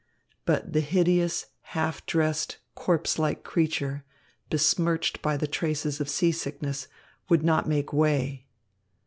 But the hideous, half dressed, corpse like creature, besmirched by the traces of seasickness, would not make way.